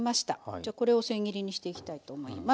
じゃあこれをせん切りにしていきたいと思います。